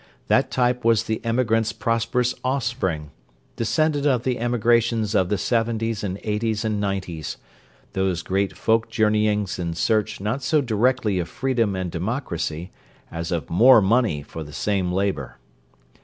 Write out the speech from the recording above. That type was the emigrant's prosperous offspring: descendant of the emigrations of the Seventies and Eighties and Nineties, those great folk journeyings in search not so directly of freedom and democracy as of more money for the same labour.